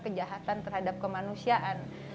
kejahatan terhadap kemanusiaan